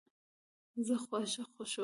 زه خواږه خوښوم